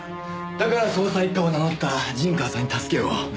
だから捜査一課を名乗った陣川さんに助けを。